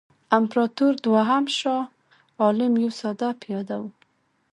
امپراطور دوهم شاه عالم یو ساده پیاده وو.